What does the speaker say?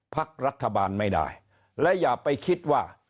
พักรัฐบาลไม่ได้และอย่าไปคิดว่า